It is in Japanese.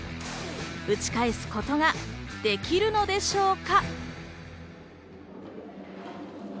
打ち返すことができるのでしょうか？